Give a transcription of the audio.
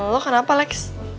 lo kenapa lex